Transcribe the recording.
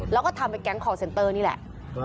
แล้วก็ทำแบบกัจแก่งของเซ็นเตอร์นี่แหละ